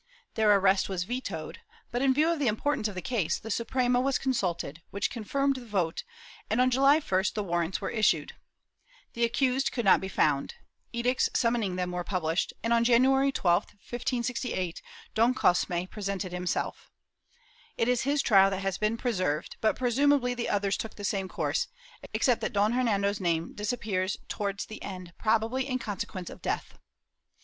Their arrest was voted but, in view of the importance of the case, the Suprenia was consulted, which confirmed the vote and, on July 1st, the warrants were issued. The accused could not be found; edicts summoning them were pubUshed and, on January 12, 1568, Don Cosme presented himself. It is his trial that has been preserved, but presumably the others took the same course, except that Don Hernando's name disappears towards the end, probably in conse quence of death.